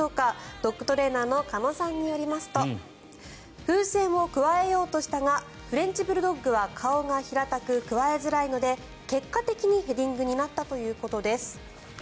ドッグトレーナーの鹿野さんによりますと風船をくわえようとしたがフレンチブルドッグは顔が平たく、くわえづらいので結果的にヘディングになったということです。